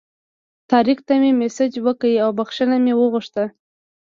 طارق ته مې مسیج وکړ او بخښنه مې وغوښته.